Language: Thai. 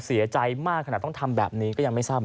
เสียใจมากขนาดต้องทำแบบนี้ก็ยังไม่ทราบ